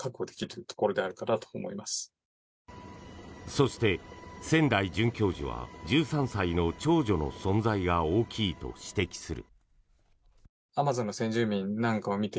そして、千代准教授は１３歳の長女の存在が大きいと指摘する。